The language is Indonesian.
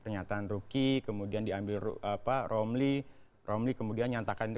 pernyataan gitu ya pernyataan ruki kemudian diambil apa romli romli kemudian nyatakan itu